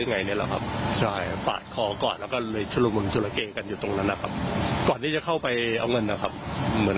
น่าจะปากเลยหรือเปล่าเลย